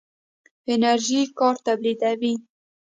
انرژي کار تولیدوي.